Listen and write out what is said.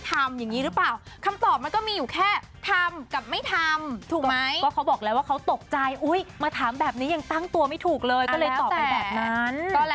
ตั้งตัวไม่ถูกเลยก็เลยต่อไปแบบนั้น